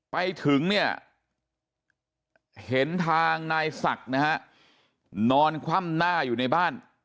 ไปถึงเนี่ยเห็นทางนายศักดิ์นะฮะนอนคว่ำหน้าอยู่ในบ้าน